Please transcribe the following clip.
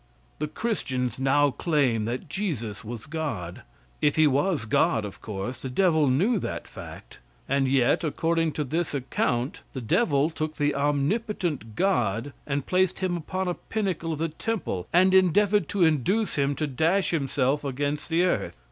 '" The Christians now claim that Jesus was God. If he was God, of course the devil knew that fact, and yet, according to this account, the devil took the omnipotent God and placed him upon a pinnacle of the temple, and endeavored to induce him to dash himself against the earth.